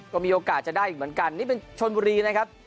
ก็มีโอกาสจะได้อีกเหมือนกันนี่เป็นชนบุรีนะครับ